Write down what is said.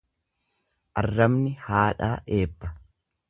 Arrabni haadhaa ebba.